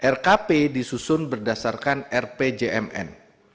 rkp disusun berdasarkan rpjmn